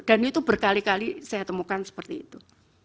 dan itu berkali kali saya temukan seperti itu